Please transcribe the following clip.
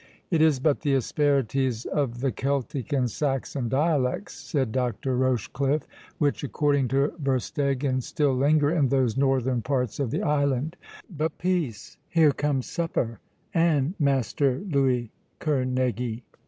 "It is but the asperities of the Celtic and Saxon dialects," said Dr. Rochecliffe, "which, according to Verstegan, still linger in those northern parts of the island.—But peace—here comes supper, and Master Louis Kerneguy."